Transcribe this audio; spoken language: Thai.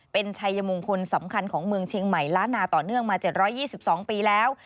เป็นชัยมงคลสำคัญของเมืองเชียงใหม่ล้านนาต่อเนื่องมา๗๒๒ปีแล้ว